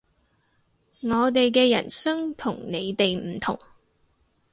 我哋嘅人生同你哋唔同